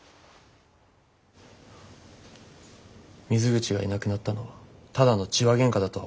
水口がいなくなったのはただの痴話喧嘩だとは思えない。